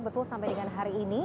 betul sampai dengan hari ini